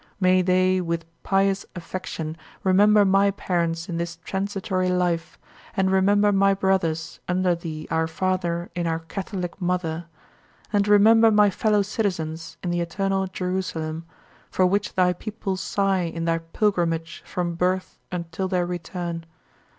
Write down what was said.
May they with pious affection remember my parents in this transitory life, and remember my brothers under thee our Father in our Catholic mother; and remember my fellow citizens in the eternal Jerusalem, for which thy people sigh in their pilgrimage from birth until their return.